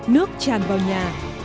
nước tràn vào nhà